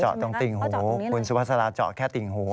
เจาะตรงติ่งหูคุณสุพสระเจาะแค่ติ่งหูเนอะ